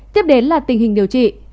tiếp đến là tình hình điều trị